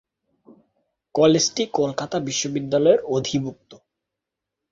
কলেজটি কলকাতা বিশ্ববিদ্যালয়-এর অধিভুক্ত।